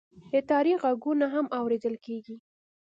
د تاریخ غږونه هم اورېدل کېږي.